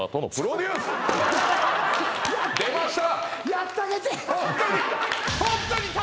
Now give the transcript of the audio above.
出ました！